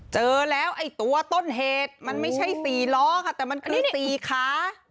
เจอแล้วไอ้ตัวต้นเหตุมันไม่ใช่๔ล้อค่ะแต่มันคือ๔ขา